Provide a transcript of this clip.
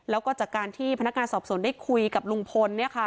แล้วก็จากการที่พนักงานสอบสวนได้คุยกับลุงพล